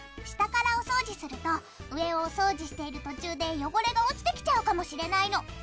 下からお掃除すると上をお掃除している途中で汚れが落ちてきちゃうかもしれないの。